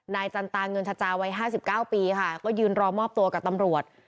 จันตาเงินชจาวัย๕๙ปีค่ะก็ยืนรอมอบตัวกับตำรวจ